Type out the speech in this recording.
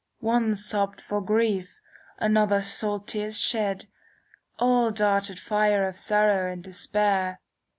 One sobbed for grief; another salt tears shed, All darted fire of sorrow and despair.